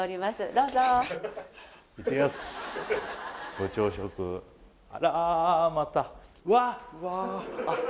どうぞいってきますご朝食あらまた